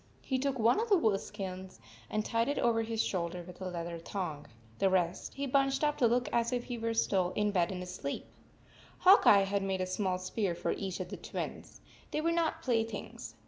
He took one of the wolf skins and tied it over his shoulder with a leather thong. The rest he bunched up to look as if he were still in bed and asleep. Hawk Eye had made a small spear for each of the Twins. They were not play things.